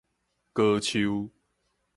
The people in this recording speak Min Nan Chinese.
高樹